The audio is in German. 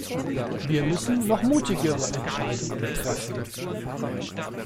Wir müssen noch mutigere Entscheidungen treffen.